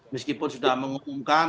meskipun sudah mengumumkan